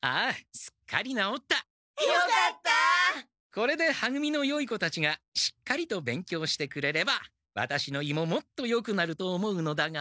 これでは組のよい子たちがしっかりと勉強してくれればワタシの胃ももっとよくなると思うのだが？